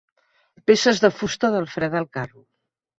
Peces de fusta del fre del carro.